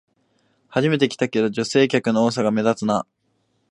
初めて来たけど、女性客の多さが目立つな